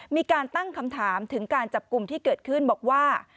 มีการตั้งคำถามถึงการจับกลุ่มที่เกิดขึ้นบอกว่า